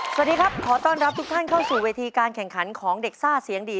สวัสดีครับขอต้อนรับทุกท่านเข้าสู่เวทีการแข่งขันของเด็กซ่าเสียงดี